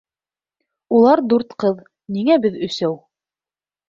Улар дүрт ҡыҙ, ниңә беҙ өсәү?